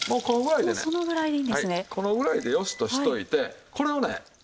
このぐらいでよしとしておいてこれをねいったん。